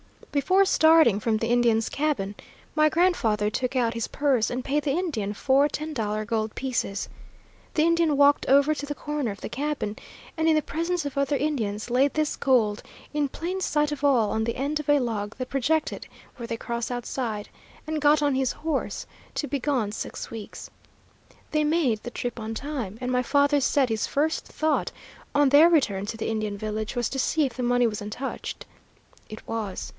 "Before starting from the Indian's cabin my grandfather took out his purse and paid the Indian four ten dollar gold pieces. The Indian walked over to the corner of the cabin, and in the presence of other Indians laid this gold, in plain sight of all, on the end of a log that projected where they cross outside, and got on his horse to be gone six weeks. They made the trip on time, and my father said his first thought, on their return to the Indian village, was to see if the money was untouched. It was.